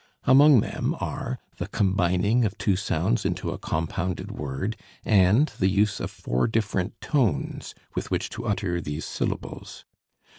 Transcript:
Among them are the combining of two sounds into a compounded word and the use of four different "tones" with which to utter these syllables.